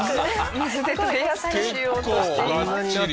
水で取りやすくしようとしています。